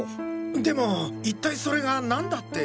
でも一体それが何だって。